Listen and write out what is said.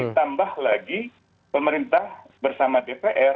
ditambah lagi pemerintah bersama dpr